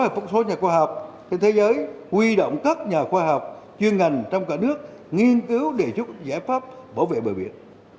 phong số nhà khoa học trên thế giới huy động các nhà khoa học chuyên ngành trong cả nước nghiên cứu để giúp giải pháp bảo vệ bờ biển